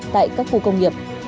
tại các khu công nghiệp